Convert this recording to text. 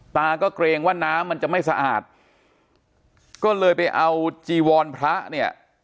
ตาก็เกรงว่าน้ำมันจะไม่สะอาดก็เลยไปเอาจีวรพระเนี่ย